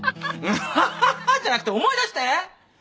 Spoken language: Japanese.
ウハハハじゃなくて思い出して。